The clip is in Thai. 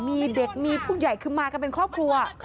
มีเด็กมีผู้ใหญ่คือมากันเป็นครอบครัว